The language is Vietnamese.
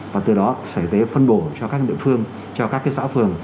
và từ đó xã y tế phân bổ cho các địa phương cho các cái xã phường